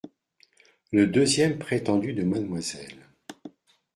Le deuxième prétendu de mademoiselle …